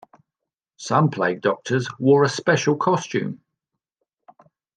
Some plague doctors wore a special costume.